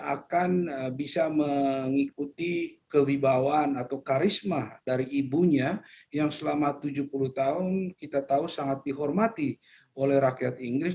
akan bisa mengikuti kewibawaan atau karisma dari ibunya yang selama tujuh puluh tahun kita tahu sangat dihormati oleh rakyat inggris